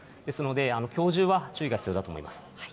ですので、きょう中は注意が必要だと思います。